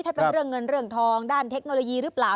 ถ้าเป็นเรื่องเงินเรื่องทองด้านเทคโนโลยีหรือเปล่า